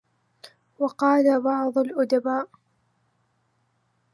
وَقَالَ بَعْضُ الْأُدَبَاءِ